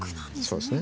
そうですね。